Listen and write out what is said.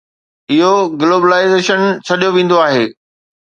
اهو گلوبلائيزيشن سڏيو ويندو آهي.